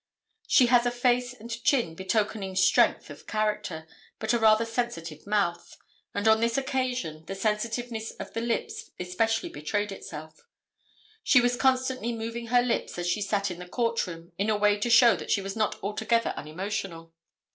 She has a face and chin betokening strength of character, but a rather sensitive mouth, and on this occasion the sensitiveness of the lips especially betrayed itself. She was constantly moving her lips as she sat in the court room in a way to show that she was not altogether unemotional.